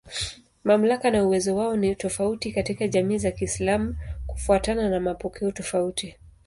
Mamlaka na uwezo wao ni tofauti katika jamii za Kiislamu kufuatana na mapokeo tofauti.